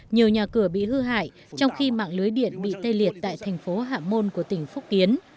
nhiều nhà cửa bị hư hại trong khi mạng lưới điện bị tê liệt tại thành phố hạ môn của tỉnh phúc kiến